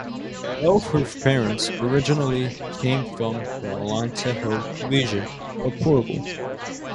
Both her parents originally came from the Alentejo region of Portugal.